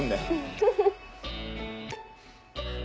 フフフ。